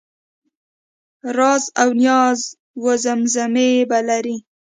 رازاونیازاوزمزمې به لرې